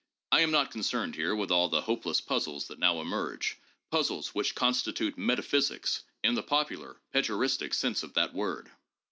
I am not concerned here with all the hopeless puzzles that now emerge — puzzles which constitute 'metaphysics' in the popular, pejoristic sense of that word.